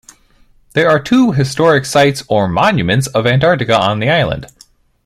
There are two Historic Sites or Monuments of Antarctica on the island.